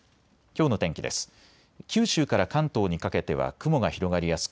きょうの天気です。